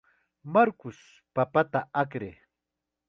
Marcos, papata akray.